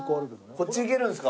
こっち行けるんですか？